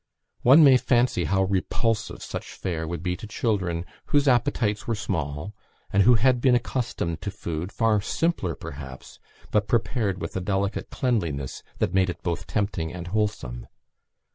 One may fancy how repulsive such fare would be to children whose appetites were small, and who had been accustomed to food, far simpler perhaps, but prepared with a delicate cleanliness that made it both tempting and wholesome.